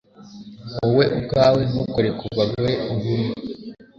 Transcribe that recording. Wowe ubwawe ntukore ku bagore, uhima